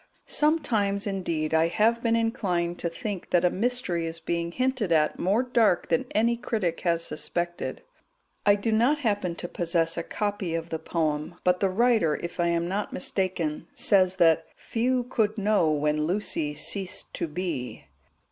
Sometimes, indeed, I have been inclined to think that a mystery is being hinted at more dark than any critic has suspected. I do not happen to possess a copy of the poem, but the writer, if I am not mistaken, says that "few could know when Lucy ceased to be."